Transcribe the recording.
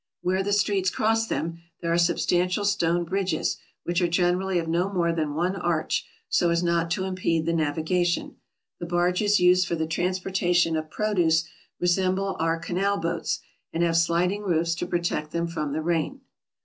Where the streets cross them, there are sub stantial stone bridges, which are generally of no more than one arch, so as not to impede the navigation. The barges used for the transportation of produce resemble our canal boats, and have sliding roofs to protect them from the rain.